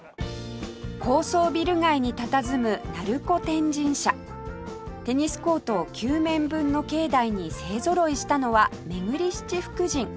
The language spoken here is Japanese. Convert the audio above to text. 高層ビル街にたたずむ成子天神社テニスコート９面分の境内に勢ぞろいしたのはめぐり七福神